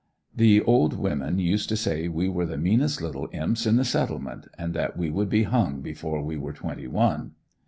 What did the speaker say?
The old women used to say we were the meanest little imps in the Settlement, and that we would be hung before we were twenty one.